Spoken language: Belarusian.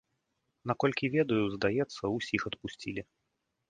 Наколькі ведаю, здаецца, усіх адпусцілі.